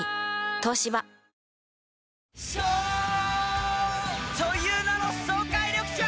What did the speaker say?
東芝颯という名の爽快緑茶！